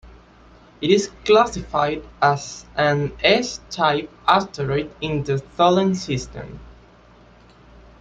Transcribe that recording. It is classified as an S-type asteroid in the Tholen system.